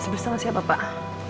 bersama siapa pak